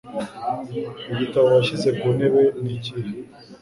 Igitabo washyize ku ntebe ni ikihe?